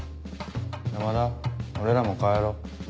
山田俺らも帰ろう。